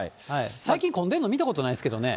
最近混んでるの見たことないですけどね。